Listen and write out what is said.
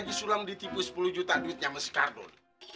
jisulam ditipu sepuluh juta duit sama sikardon